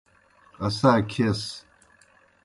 اسا کھیس۔